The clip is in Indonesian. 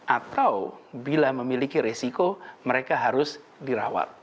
atau bila memiliki resiko mereka harus dirawat